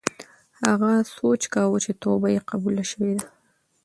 هغه سوچ کاوه چې توبه یې قبوله شوې ده.